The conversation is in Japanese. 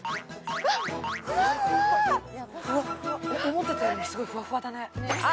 思ってたよりすごいふわふわだね。